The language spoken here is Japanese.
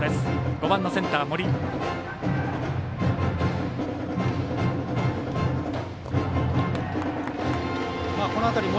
５番センターの森。